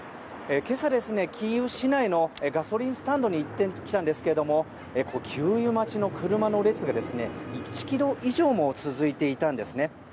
今朝、キーウ市内のガソリンスタンドに行ってきたんですが給油待ちの車の列が１ｋｍ以上も続いていたんですね。